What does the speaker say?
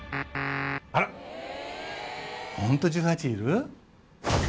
あらホント１８いる？